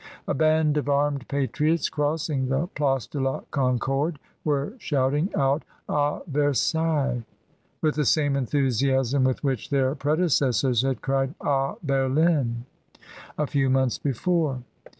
A band of armed patriots crossing the Place de la Concorde, were shouting out "A Versailles!" with the same enthusiasm with which their predecessors had cried "^ Berlin!" a few months before.